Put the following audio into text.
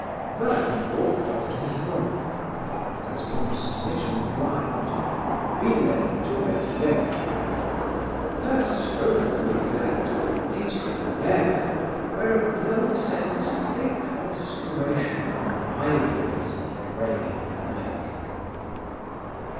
Vernon walked off to his room, dark as one smitten blind: bile tumet jecur: her stroke of neglect hit him there where a blow sends thick obscuration upon eyeballs and brain alike.